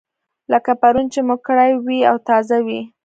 لکه پرون چې مو کړې وي او تازه وي.